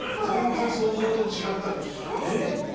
全然想像と違ってえっ？